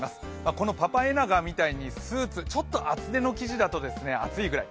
このパパエナガみたいにスーツ、ちょっと厚手の生地だとちょっと暑いぐらい。